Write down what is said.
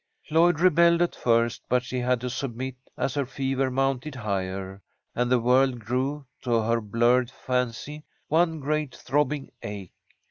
Lloyd rebelled at first, but she had to submit as her fever mounted higher, and the world grew, to her blurred fancy, one great, throbbing ache.